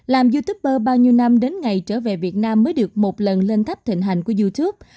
làm youtuber bao nhiêu năm đến ngày trở về việt nam mới được một lần lên tháp thịnh hành của youtube